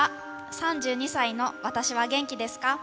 ３２歳の私は元気ですか？